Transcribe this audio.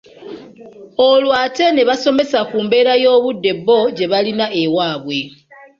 Olwo ate ne basomesa ku mbeera y’Obudde bo gye balina ewaabwe